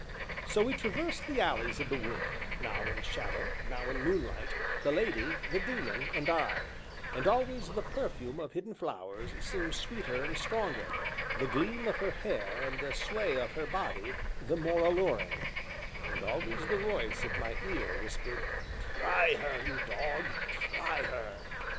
So we traversed the alleys of the wood, now in shadow, now in moonlight, the Lady, the Daemon, and I, and always the perfume of hidden flowers seemed sweeter and stronger, the gleam of her hair and the sway of her body the more alluring, and always the voice at my ear whispered: "Try her, you dog, try her."